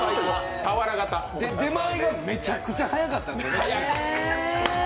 出前がめちゃくちゃ早かったんですよね。